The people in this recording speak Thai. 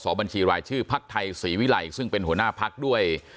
บัญชีรายชื่อภักดิ์ไทยศรีวิลัยซึ่งเป็นหัวหน้าพักด้วย